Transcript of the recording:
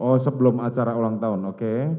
oh sebelum acara ulang tahun oke